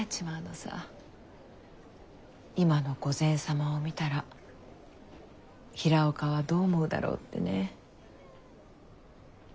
今の御前様を見たら平岡はどう思うだろうってね。